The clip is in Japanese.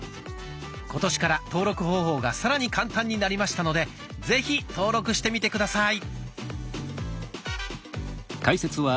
今年から登録方法がさらに簡単になりましたのでぜひ登録してみて下さい。